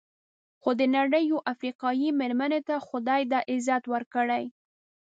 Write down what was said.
خو د نړۍ یوې افریقایي مېرمنې ته خدای دا عزت ورکړی.